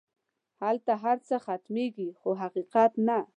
هلته هر څه ختمېږي خو حقیقت نه.